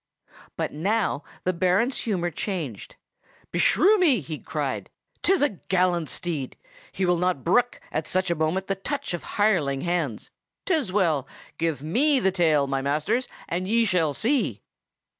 But now the Baron's humor changed. "Beshrew me!" he cried. "'Tis a gallant steed. He will not brook, at such a moment, the touch of hireling hands. 'Tis well! give me the tail, my masters! and ye shall see."